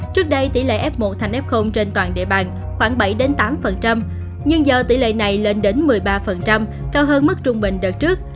trước đây tỷ lệ f một thành f trên toàn địa bàn khoảng bảy tám nhưng giờ tỷ lệ này lên đến một mươi ba cao hơn mức trung bình đợt trước